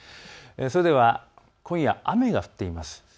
それでは今夜、雨が降っています。